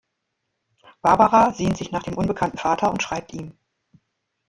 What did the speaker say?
Barbara sehnt sich nach dem unbekannten Vater und schreibt ihm.